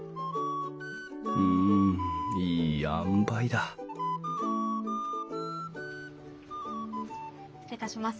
うんいいあんばいだ失礼いたします。